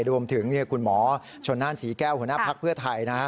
รวมถึงคุณหมอชนนานศรีแก้วหัวหน้าพักเพื่อไทย